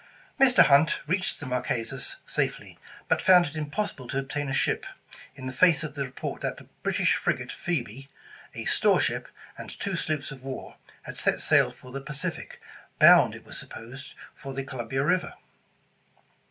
Mr. Hunt reached the Marquesas safely, but found it impossible to obtain a ship, in the face of the report that the British frigate Phoebe, a store ship and two sloops of war, had set sail for the Pacific, bound, it was supposed, for the Columbia river.